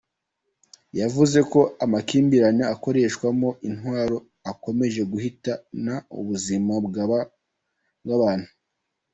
Yavuze ko amakimbirane akoreshwamo intwaro akomeje guhitana ubuzima bw’abantu.